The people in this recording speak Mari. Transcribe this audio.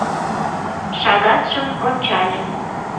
Шагатшым ончале.